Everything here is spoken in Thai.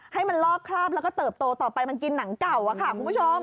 ให้มันลอกคราบแล้วก็เติบโตต่อไปมันกินหนังเก่าอะค่ะคุณผู้ชม